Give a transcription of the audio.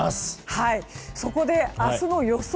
そこで、明日の予想